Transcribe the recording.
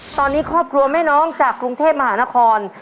ตอนนี้ครอบครัวแม่น้องจากกรุงเทพมหานคร